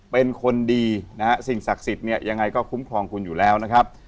เป็นคนดีนะฮะสิ่งศักดิ์สิทธิ์เนี่ยยังไงก็คุ้มครองคุณอยู่แล้วนะครับ